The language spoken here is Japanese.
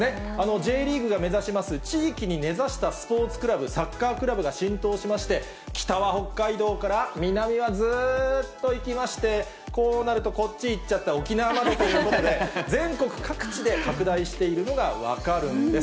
Ｊリーグが目指します、地域に根ざしたスポーツクラブ、サッカークラブが浸透しまして、北は北海道から、南はずーっと行きまして、こうなるとこっち行っちゃって、沖縄までということで、全国各地で拡大しているのが分かるんです。